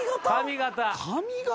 髪形？